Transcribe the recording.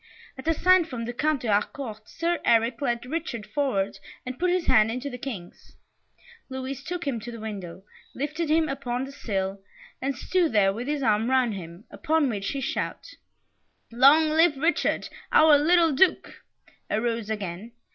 At a sign from the Count de Harcourt, Sir Eric led Richard forward, and put his hand into the King's. Louis took him to the window, lifted him upon the sill, and stood there with his arm round him, upon which the shout, "Long live Richard, our little Duke!" arose again.